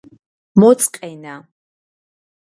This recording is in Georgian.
მოწყენა